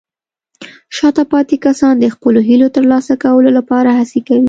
شاته پاتې کسان د خپلو هیلو ترلاسه کولو لپاره هڅې کوي.